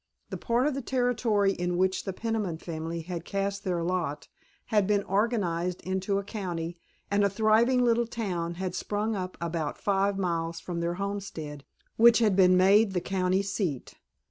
The part of the Territory in which the Peniman family had cast their lot had been organized into a county, and a thriving little town had sprung up about five miles from their homestead which had been made the county seat.